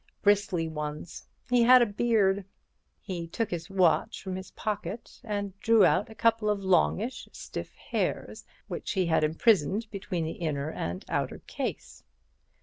Bristly ones. He had a beard." He took his watch from his pocket, and drew out a couple of longish, stiff hairs, which he had imprisoned between the inner and the outer case.